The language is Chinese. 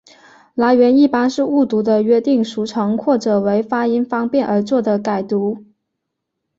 来源一般是误读的约定俗成或者为发音方便而作的改读。